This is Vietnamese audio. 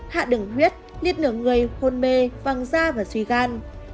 hạ đường huyết liệt nửa người hôn mê văng da và suy gan